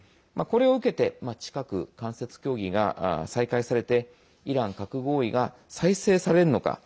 これを受けて近く間接協議が再開されてイラン核合意が再生されるのか。